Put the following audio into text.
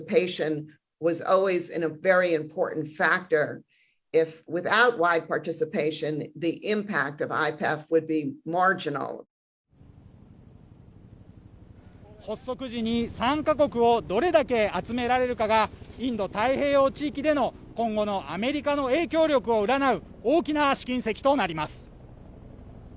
発足時に参加国をどれだけ集められるかがインド太平洋地域での今後のアメリカの影響力を占う大きな試金石となります。